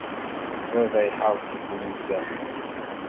Baba iḥres-itt nezzeh.